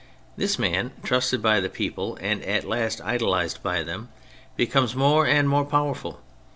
This man, trusted by the people and at last idolised by them, becomes more and more powerful.